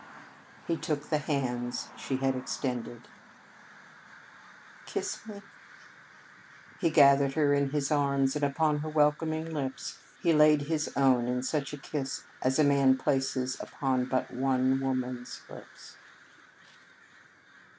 '" He took the hands she had extended. "Kiss me!" He gathered her into his arms, and upon her welcoming lips he laid his own in such a kiss as a man places upon but one woman's lips.